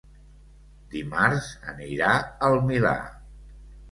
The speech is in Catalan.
Dimarts anirà al Milà.